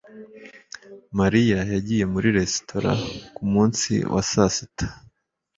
mariya yagiye muri resitora kumunsi wa sasita